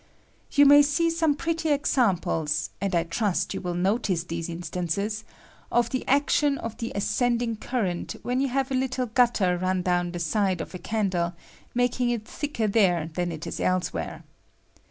You may see some pretty examples (and I trust you will notice these instances) of the action of the ascending current when you bare a little gutter run down the side of a candle, making it thick er there than it is elsewhere.